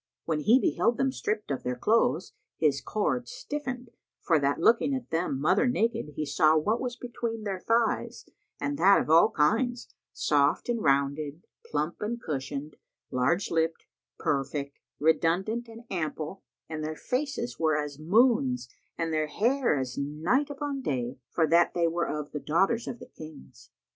When he beheld them stripped of their clothes, his chord stiffened for that looking at them mother naked he saw what was between their thighs, and that of all kinds, soft and rounded, plump and cushioned; large lipped, perfect, redundant and ample,[FN#130] and their faces were as moons and their hair as night upon day, for that they were of the daughters of the Kings.